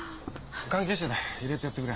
関係者だ入れてやってくれ。